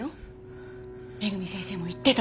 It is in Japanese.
恵先生も言ってたでしょ？